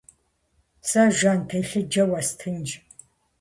Сэ жан телъыджэ уэстынщ.